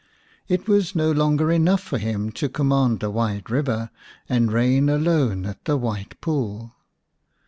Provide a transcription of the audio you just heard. It was no longer enough for him to command the wide river and reign alone at the White Pool.